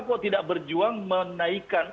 kok tidak berjuang menaikkan